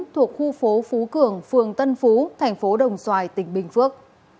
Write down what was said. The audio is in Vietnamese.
thuộc khu phố phú cường phường tân phú tp đồng xoài tỉnh bình phước